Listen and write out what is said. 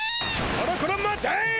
こらこら待てい！